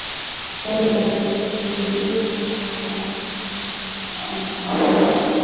ukuaji na kudhihirika kwake Ina sifa za tabia ambazo ni pamoja